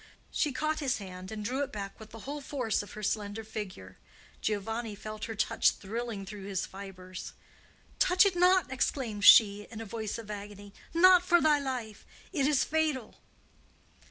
She caught his hand and drew it back with the whole force of her slender figure. Giovanni felt her touch thrilling through his fibres. "Touch it not!" exclaimed she, in a voice of agony. "Not for thy life! It is fatal!"